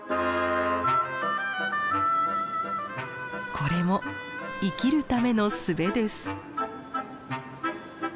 これも生きるための術です。